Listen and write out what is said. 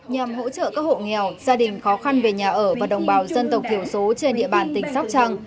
nhằm hỗ trợ các hộ nghèo gia đình khó khăn về nhà ở và đồng bào dân tộc thiểu số trên địa bàn tỉnh sóc trăng